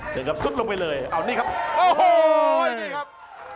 ถึงกับซุดลงไปเลยเอานี่ครับโอ้โหนี่ครับ